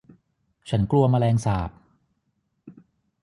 ฉันกลัวแมลงสาบ